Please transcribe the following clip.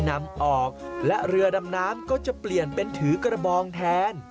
นำออกและเรือดำน้ำก็จะเปลี่ยนเป็นถือกระบองแทน